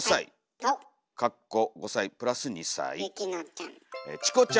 ゆきのちゃん。